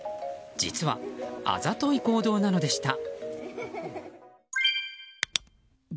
実は、あざとい行動なのでした。